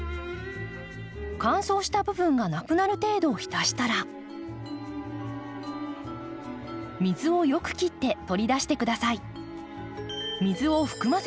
乾燥した部分がなくなる程度浸したら水をよく切って取り出して下さい。